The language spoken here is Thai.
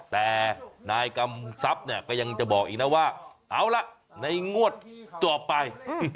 แต่นายกำทรัพย์เนี่ยก็ยังจะบอกอีกนะว่าเอาละในงวดต่อไป